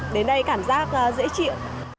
đến đây cảm giác dễ chịu